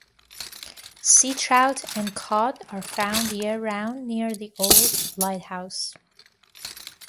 Sea trout and cod are found year-round near the old lighthouse.